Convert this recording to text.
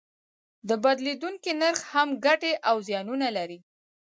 د بدلیدونکي نرخ هم ګټې او زیانونه لري.